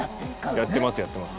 やってますやってます。